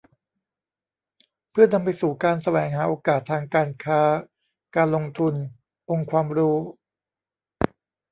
เพื่อนำไปสู่การแสวงหาโอกาสทางการค้า การลงทุน องค์ความรู้